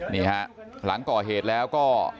นี่ฮะหลังก่อเหตุแล้วก็